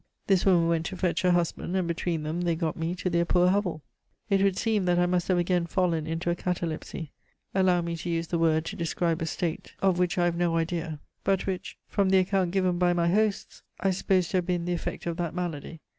This woman went to fetch her husband, and between them they got me to their poor hovel. "It would seem that I must have again fallen into a catalepsy allow me to use the word to describe a state of which I have no idea, but which, from the account given by my hosts, I suppose to have been the effect of that malady.